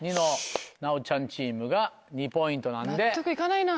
納得いかないな。